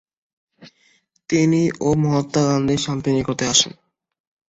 তিনি ও মহাত্মা গান্ধী শান্তি নিকেতনে আসেন।